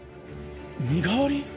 身代わり？